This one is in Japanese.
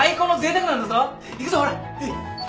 いくぞほら。